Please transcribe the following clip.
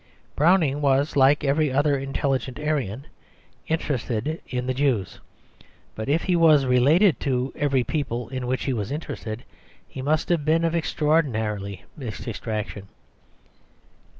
Browning was, like every other intelligent Aryan, interested in the Jews; but if he was related to every people in which he was interested, he must have been of extraordinarily mixed extraction.